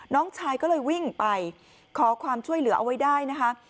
น้องชายก็เลยวิ่งไปขอความช่วยเหลือเอาไว้ได้นะคะ